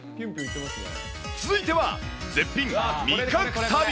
続いては絶品、味覚旅。